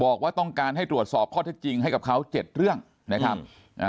บอกว่าต้องการให้ตรวจสอบข้อเท็จจริงให้กับเขาเจ็ดเรื่องนะครับอ่า